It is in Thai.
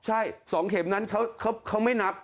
ใช่๒เข็มนั้นเขาไม่นับ